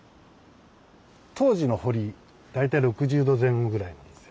当時の堀大体６０度前後ぐらいなんですよ。